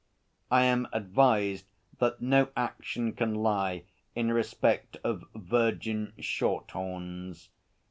I am advised that no action can lie in respect of virgin Shorthorns.